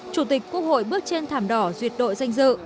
chủ tịch quốc hội bước trên thảm đỏ duyệt đội danh dự